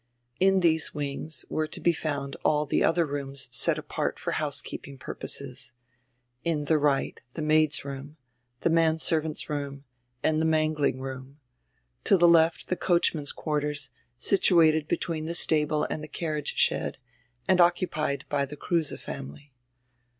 In these wings were to be found all tire other roonrs set apart for house keeping purposes. In tire right the maids' roonr, tire manservant's roonr, and tire mangling roonr; to tire left tire coachman's quarters, situated between the stable and tire carriage shed and occupied by the Kruse family.